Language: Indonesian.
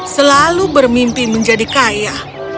selalu bermimpi menjadi kaya